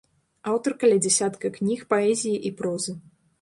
Аўтар каля дзясятка кніг паэзіі і прозы.